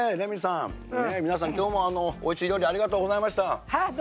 今日もおいしい料理ありがとうございました。